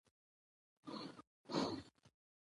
مېلې د نوو مفکورو او نظریاتو خپرولو وسیله ده.